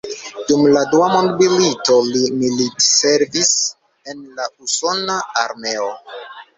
Dum la Dua Mondmilito li militservis en la Usona Armeo.